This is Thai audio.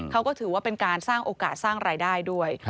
เขาก็ถือว่าเป็นการสร้างโอกาสสร้างรายได้ด้วย